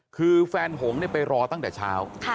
คือแฟนหงไปรอตั้งแต่เช้า